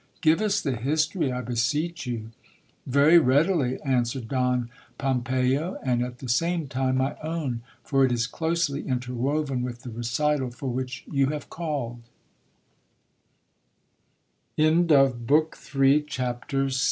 Give us the history, I beseech you. Very readily, answered Don Pompeyo, and at the same time my own, for it is closely interwoven with the recital for which you have